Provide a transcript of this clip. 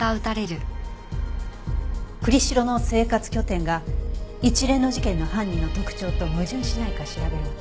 栗城の生活拠点が一連の事件の犯人の特徴と矛盾しないか調べるの。